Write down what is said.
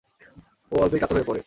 ও অল্পেই কাতর হয়ে পড়ে।